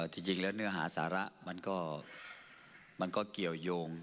จริงแล้วเนื้อหาสาระมันก็เกี่ยวยง